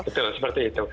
betul seperti itu